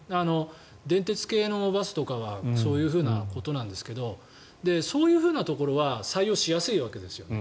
電鉄系のバスとかはそういうことなんですけどそういうところは採用しやすいわけですよ。